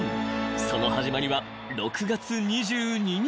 ［その始まりは６月２２日］